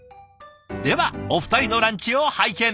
ではお二人のランチを拝見。